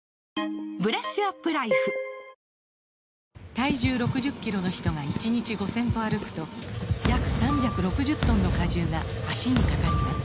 体重６０キロの人が１日５０００歩歩くと約３６０トンの荷重が脚にかかります